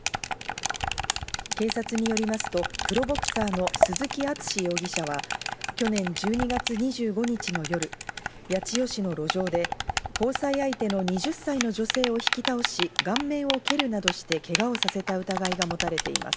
警察によりますとプロボクサーの鈴木淳容疑者は去年１２月２５日の夜、八千代市の路上で交際相手の２０歳の女性を引き倒し、顔面を蹴るなどしてけがをさせた疑いが持たれています。